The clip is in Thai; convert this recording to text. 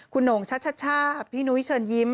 คุณหงชัชชาพี่นุ้ยเชิญยิ้ม